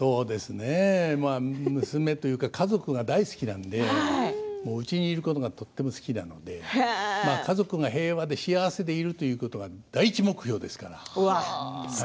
娘というか家族が大好きなのでうちにいることがとても好きなので家族が平和で幸せでいるということが第１目標ですから。